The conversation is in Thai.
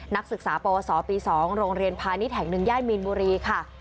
นักศึกษาปวสอปี๒โรงเรียนพานิแถ่ง๑แย่นมีนบุรีค่ะ